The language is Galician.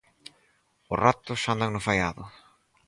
Os ratos andan no faiado.